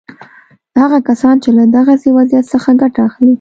هغه کسان چې له دغسې وضعیت څخه ګټه اخلي.